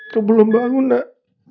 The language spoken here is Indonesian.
kamu belum bangun nak